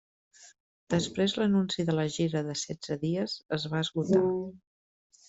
Després l’anunci de la gira de setze dies, es va esgotar.